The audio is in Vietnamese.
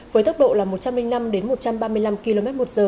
với tốc độ là một trăm linh năm đến một trăm ba mươi năm km một giờ